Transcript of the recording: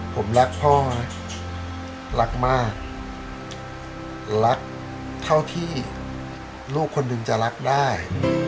ผมรักพ่อรักมากรักเท่าที่ลูกคนหนึ่งจะรักได้